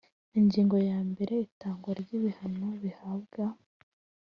Ingingo ya mbere Itangwa ry ibihano bihabwa